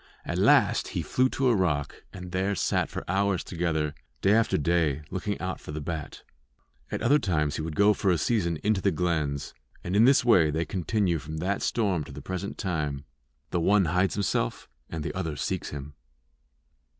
At last he flew to a rock, and there sat for hours together, day after day, looking out for the bat. At other times he would go for a season into the glens; and in this way they continue from that storm to the present time the one hides himself, and the other seeks him.